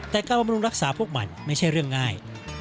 แต่การบำรุงรักษาพวกมันไม่ใช่เรื่องง่าย